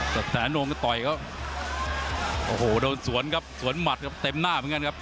กระแสโนมก็ต่อยเขาโอ้โหโดนสวนครับสวนหมัดครับเต็มหน้าเหมือนกันครับ